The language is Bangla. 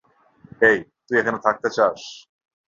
হেই, তুই এখানে থাকতে চাস?